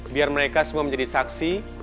biar mereka semua menjadi saksi